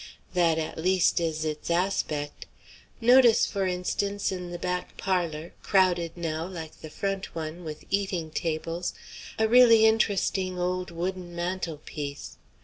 That at least is its aspect. Notice, for instance, in the back parlor, crowded now, like the front one, with eating tables, a really interesting old wooden mantelpiece.